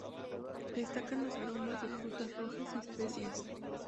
Destacan los aromas de frutas rojas y especias.